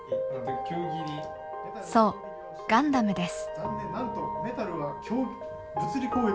そう「ガンダム」です。